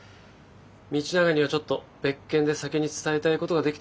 道永にはちょっと別件で先に伝えたいことが出来てね。